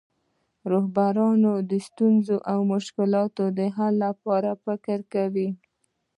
رهبران د ستونزو او مشکلاتو د حل لپاره فکر کوي.